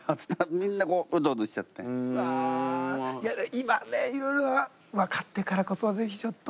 今ねいろいろ分かってからこそ是非ちょっと。